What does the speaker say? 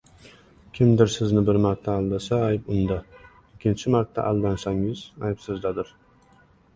• Kimdir sizni bir marta aldasa ayb unda. Ikkinchi marta aldansangiz, ayb sizdadir.